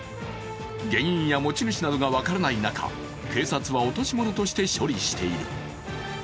原因や持ち主などが分からない中、警察は落とし物として処理している。